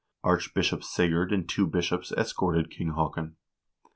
Archbishop Sigurd and two bishops escorted King Haakon.